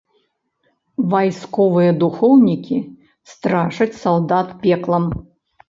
Вайсковыя духоўнікі страшаць салдат пеклам.